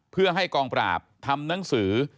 เพื่อให้กองปราบทำหนังสือ